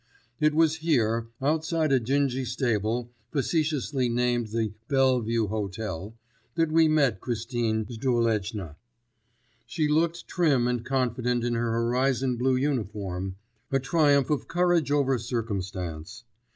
It was here, outside a dingy stable, facetiously named the Bellevue Hotel, that we met Christine Zduleczna. She looked trim and confident in her horizon blue uniform—a triumph of courage over circumstance.